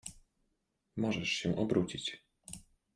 Możesz się obrócić.